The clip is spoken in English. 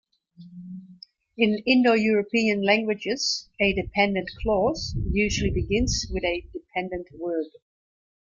In Indo-European languages, a dependent clause usually begins with a dependent word.